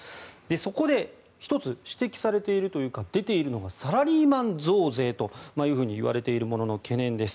そこで１つ指摘されているというか出ているのがサラリーマン増税といわれているものの懸念です。